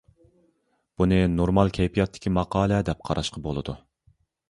بۇنى نورمال كەيپىياتتىكى ماقالە دەپ قاراشقا بولىدۇ.